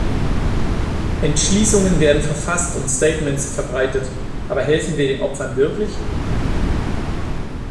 Entschließungen werden verfasst und Statements verbreitet, aber helfen wir den Opfern wirklich?